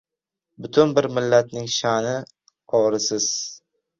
Butun bir millatning sha’ni, orisiz